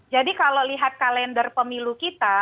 jadi kalau lihat kalender pemilu kita